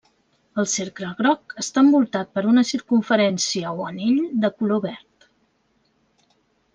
El cercle groc està envoltat per una circumferència o anell de color verd.